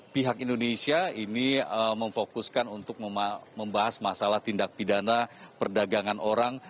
pihak indonesia ini memfokuskan untuk membahas masalah tindak pidana perdagangan orang